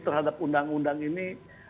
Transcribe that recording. terhadap undang undang ini